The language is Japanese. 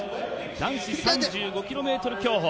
男子３５ｋｍ競歩。